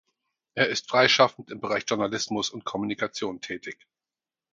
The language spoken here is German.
Er ist freischaffend im Bereich Journalismus und Kommunikation tätig.